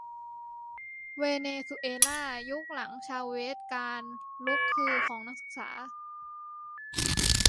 เวเนซุเอล่ายุคหลังชาเวซ การลุกฮือของนักศึกษา